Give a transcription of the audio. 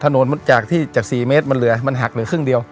จากที่จาก๔เมตรมันเหลือมันหักเหลือครึ่งเดียว